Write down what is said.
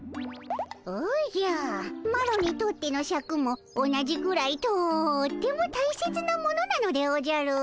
おじゃあマロにとってのシャクも同じぐらいとっても大切なものなのでおじゃる。